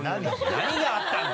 何があったんだ！